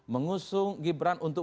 mengusung gibran untuk